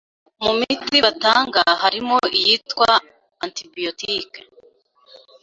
Mu miti batanga harimo iyitwa ‘antibiotiques’